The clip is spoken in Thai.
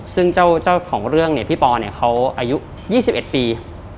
ซึ่งเจ้าของเรื่องพี่ปอล์เขาอายุ๒๑ปี